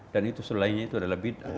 dan selain itu adalah bid'ah